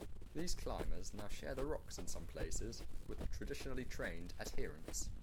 These climbers now share the rocks in some places with traditionally-trained adherents.